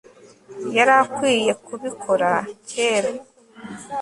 Yari akwiye kubikora kera